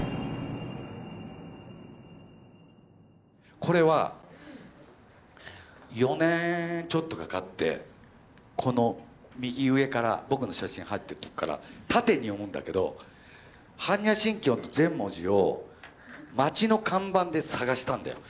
これは４年ちょっとかかってこの右上から僕の写真入ってるとこから縦に読むんだけど般若心経の全文字を町の看板で探したんだよ。